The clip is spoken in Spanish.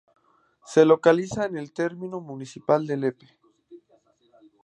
Se localiza en el termino municipal de Lepe.